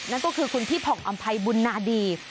นั่นก็คือคุณพี่ผ่องอำภัยบุญนาดี